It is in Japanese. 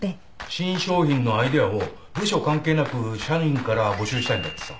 新商品のアイデアを部署関係なく社員から募集したいんだってさ。